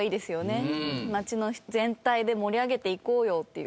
町の全体で盛り上げていこうよっていう。